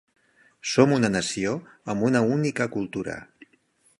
Som una nació amb una única cultura.